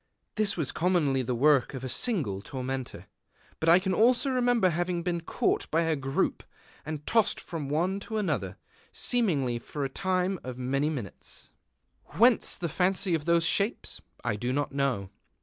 This was commonly the work of a single tormentor; but I can also remember having been caught by a group, and tossed from one to another, seemingly for a time of many minutes. III Whence the fancy of those shapes? I do not know.